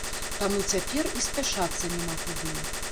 Таму цяпер і спяшацца няма куды.